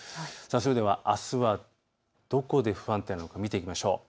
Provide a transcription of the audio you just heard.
それではあす、どこで不安定なのか見ていきましょう。